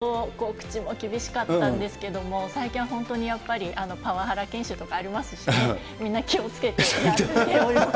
報道局も昔やっぱり相当口も厳しかったんですけど、最近は本当にやっぱりパワハラ研修とかありますしね、みんな気をつけてやってます。